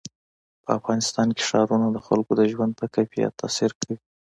په افغانستان کې ښارونه د خلکو د ژوند په کیفیت تاثیر کوي.